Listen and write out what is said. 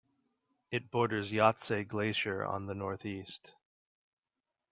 It borders Yahtse Glacier on the northeast.